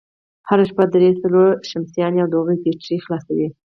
هره شپه درې، څلور شمسيانې او د هغوی بېټرۍ خلاصوي،